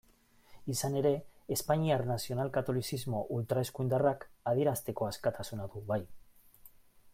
Izan ere, espainiar nazional-katolizismo ultraeskuindarrak adierazteko askatasuna du, bai.